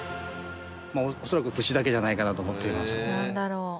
恐らくうちだけじゃないかなと思っています。